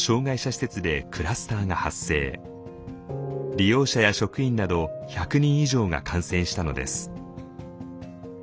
利用者や職員など１００人以上が感染したのです。